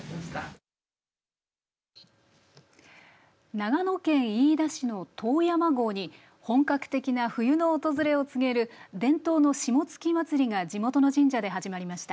長野県飯田市の遠山郷に本格的な冬の訪れを告げる伝統の霜月祭りが地元の神社で始まりました。